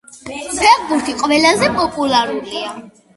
ფეხბურთი ყველაზე პოპულარულია.